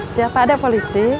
siapa ada polisi